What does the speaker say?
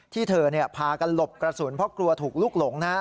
ที่เธอพากันหลบกระสุนเพราะกลัวถูกลุกหลงนะฮะ